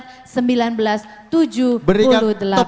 tepuk tangan yang beri hansing